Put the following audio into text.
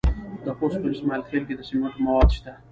د خوست په اسماعیل خیل کې د سمنټو مواد شته.